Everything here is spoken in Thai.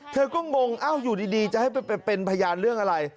เธอก็งงอยู่ดีจะให้ไปเป็นพยานเรื่องอะไร